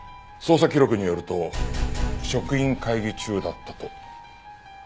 捜査記録によると職員会議中だったと。